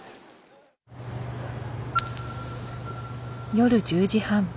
夜１０時半。